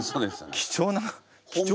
貴重な。